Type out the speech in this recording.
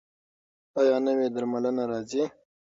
ایا نوې درملنه راځي؟